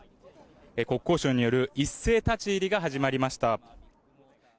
国交省による一斉立ち入りが始まりました。